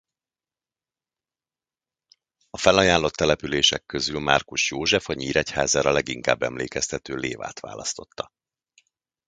A felajánlott települések közül Márkus József a Nyíregyházára leginkább emlékeztető Lévát választotta.